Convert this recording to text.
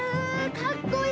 かっこいい！